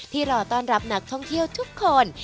รอต้อนรับนักท่องเที่ยวทุกคน